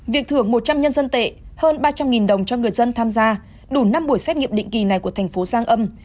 việc thưởng một trăm linh nhân dân tệ hơn ba trăm linh đồng cho người dân tham gia đủ năm buổi xét nghiệm định kỳ này của thành phố giang âm